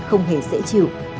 không hề dễ chịu